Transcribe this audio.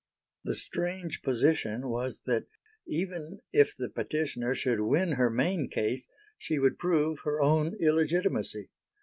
The strange position was that even if the petitioner should win her main case she would prove her own illegitimacy.